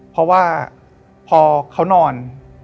เพราะว่าพอเขานอน